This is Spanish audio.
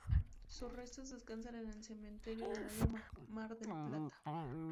Sus restos descansan en el Cementerio de la Loma, Mar del Plata.